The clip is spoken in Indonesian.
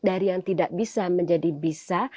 dari yang tidak bisa menjadi bisa